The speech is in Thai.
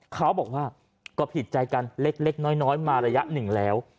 เขาบอกว่าก็ผิดใจกันเล็กน้อยมาระยะหนึ่งแล้ว